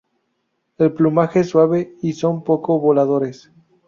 El plumaje es suave, y son poco voladores.